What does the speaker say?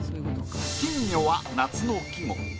「金魚」は夏の季語。